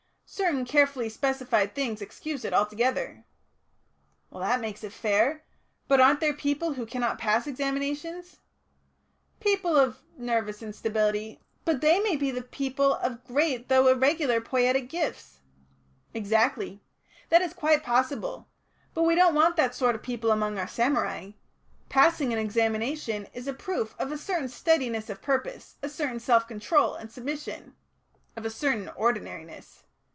Certain carefully specified things excuse it altogether." "That makes it fair. But aren't there people who cannot pass examinations?" "People of nervous instability " "But they may be people of great though irregular poietic gifts." "Exactly. That is quite possible. But we don't want that sort of people among our samurai. Passing an examination is a proof of a certain steadiness of purpose, a certain self control and submission " "Of a certain 'ordinariness.'"